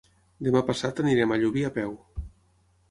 Demà passat anirem a Llubí a peu.